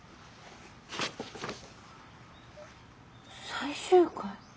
最終回？